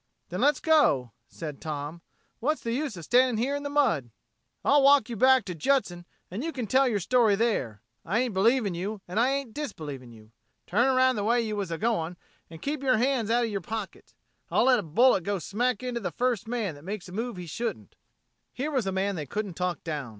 "Then let's go," said Tom. "What's the use of standing here in the mud?" "I'll walk you back to Judson, an' you can tell yer story there. I ain't believing you and I ain't disbelieving you. Turn around the way you was a going, an' keep yer hands out of yer pockets. I'll let a bullet go smack into the first man that makes a move he shouldn't." Here was a man they couldn't talk down.